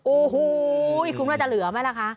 โอ้โหอีกรุงแล้วจะเหลือไหมล่ะคะ